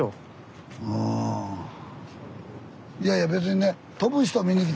いやいや別にね